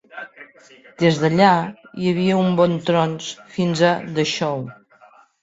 Des d'allà, hi havia un bon trons fins a "The Show".